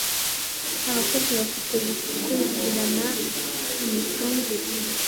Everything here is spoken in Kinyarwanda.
abakozi bafite gukurikirana imicungire